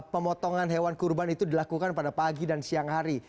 pemotongan hewan kurban itu dilakukan pada pagi dan siang hari